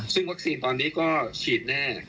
ซึ่งวัคซีนตอนนี้ก็ฉีดแน่